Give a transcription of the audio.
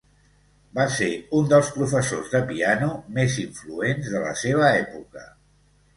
Va ser un dels professors de piano més influents de la seva època.